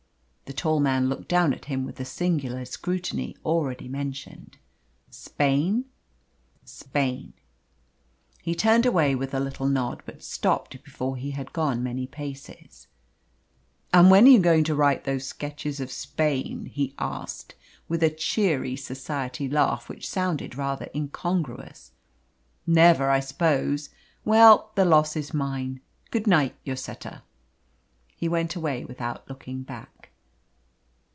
The tall man looked down at him with the singular scrutiny already mentioned. "Spain?" "Spain." He turned away with a little nod, but stopped before he had gone many paces. "And when are you going to write those sketches of Spanish life?" he asked, with a cheery society laugh, which sounded rather incongruous. "Never, I suppose. Well, the loss is mine. Good night, Lloseta." He went away without looking back.